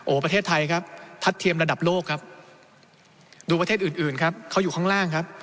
ประเทศไทยครับทัดเทียมระดับโลกครับดูประเทศอื่นอื่นครับเขาอยู่ข้างล่างครับ